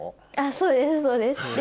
そうですそうです。